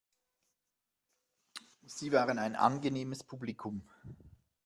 Sie waren ein angenehmes Publikum.